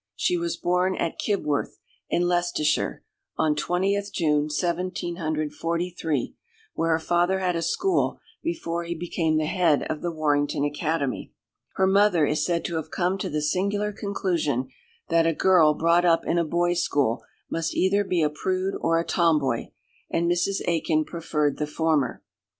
She was born at Kibworth, in Leicestershire, on 20th June 1743, where her father had a school before he became the head of the Warrington Academy. Her mother is said to have come to the singular conclusion that a girl brought up in a boys' school must either be a prude or a tomboy, and Mrs. Aikin preferred the former.